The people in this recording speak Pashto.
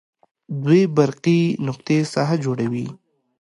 دوې برقي نقطې ساحه جوړوي.